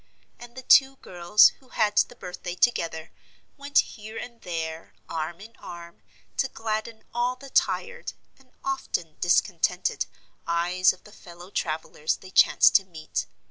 And the two girls who had the birthday together, went here and there, arm in arm, to gladden all the tired, and often discontented, eyes of the fellow travellers they chanced to meet.